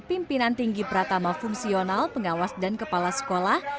pimpinan tinggi pratama fungsional pengawas dan kepala sekolah